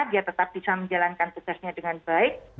dia tetap bisa menjalankan tugasnya dengan baik